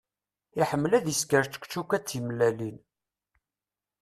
Iḥemmel ad isker čekčuka d tmellalin.